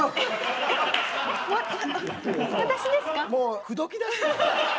もう口説き出してるやん。